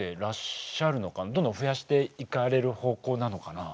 どんどん増やしていかれる方向なのかな？